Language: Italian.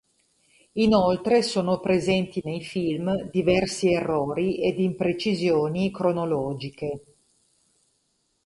Inoltre sono presenti nei film diversi errori ed imprecisioni cronologiche.